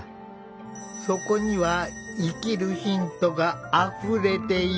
そこには生きるヒントがあふれている。